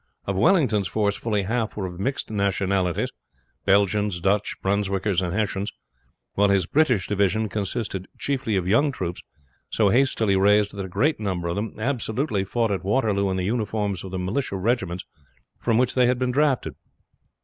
Of Wellington's force fully a half were of mixed nationalities: Belgians, Dutch, Brunswickers, and Hessians; while his British division consisted chiefly of young troops, so hastily raised that a great number of them absolutely fought at Waterloo in the uniforms of the militia regiments from which they had been drafted.